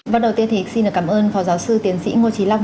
và đầu tiên thì xin được cảm ơn phó giáo sư tiến sĩ ngô trí long